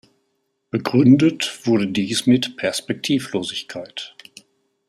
Begründet wurde dies mit Perspektivlosigkeit.